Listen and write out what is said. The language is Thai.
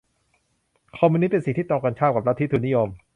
คอมมิวนิสต์เป็นสิ่งที่ตรงกันข้ามกับลัทธิทุนนิยม